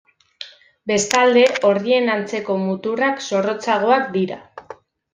Bestalde, orrien atzeko muturrak zorrotzagoak dira.